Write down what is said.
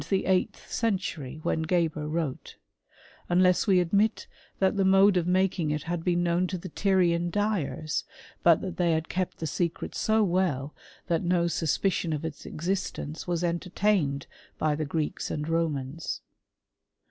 the eighth century, when Geber wrote; unless we admit that the mode of making it had been known to the Tyrian dyers, but that they had kept the secret so well, that no suspicion of its existence was enter* tained by the Greeks and Romans.